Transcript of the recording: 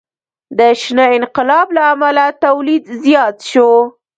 د شنه انقلاب له امله تولید زیات شو.